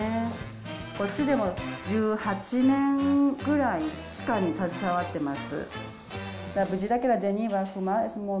こっちでも１８年ぐらい、歯科に携わっています。